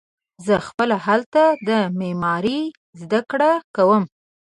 زه خپله هلته د معمارۍ زده کړه کوم.